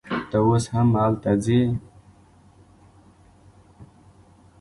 ته اوس هم هلته ځې